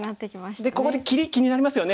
でここで切り気になりますよね。